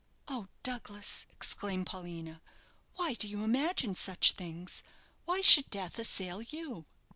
"Oh, Douglas!" exclaimed Paulina, "why do you imagine such things? Why should death assail you?"